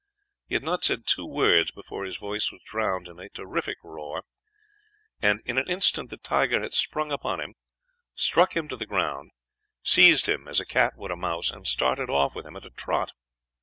He had not said two words before his voice was drowned in a terrific roar, and in an instant the tiger had sprung upon him, struck him to the ground, seized him as a cat would a mouse, and started off with him at a trot.